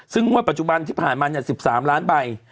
ซึ่งงวดปัจจุบันที่ผ่านมา๑๓ล้านใบ